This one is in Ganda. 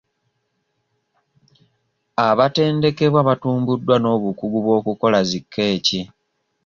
Abatendekebwa batumbuddwa n'obukugu bw'okukola zi kkeeki .